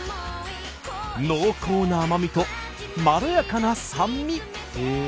濃厚な甘みとまろやかな酸味。